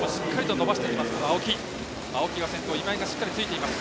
青木が先頭今井がしっかりついています。